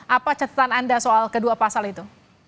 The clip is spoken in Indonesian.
apa catatan anda soal kedua pasal itu